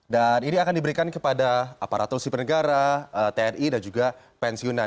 ini akan diberikan kepada aparatur sipil negara tni dan juga pensiunan